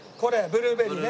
ブルーベリーね。